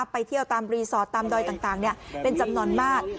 ไปเที่ยวตามรีสอร์ทตามดอยต่างเป็นจำนวนมาก